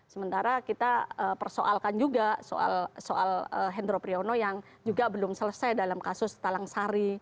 sementara kita persoalkan juga soal hendro priyono yang juga belum selesai dalam kasus talang sari